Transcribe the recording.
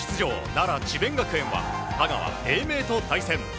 奈良・智弁学園は香川・英明と対戦。